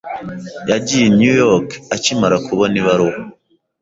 Yagiye i New York akimara kubona ibaruwa.